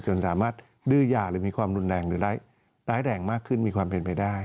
สามารถดื้อยาหรือมีความรุนแรงหรือร้ายแรงมากขึ้นมีความเป็นไปได้